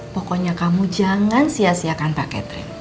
pokoknya kamu jangan sia siakan mbak catherine